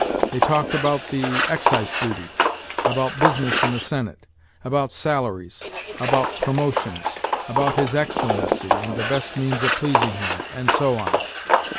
They talked about the excise duty; about business in the senate, about salaries, about promotions, about His Excellency, and the best means of pleasing him, and so on.